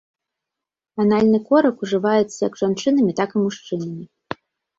Анальны корак ужываецца як жанчынамі, так і мужчынамі.